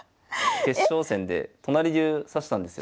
決勝戦で都成流指したんですよ。